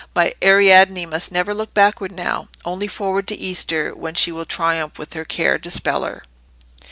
My Ariadne must never look backward now—only forward to Easter, when she will triumph with her Care dispeller."